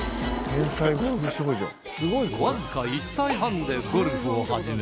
わずか１歳半でゴルフを始め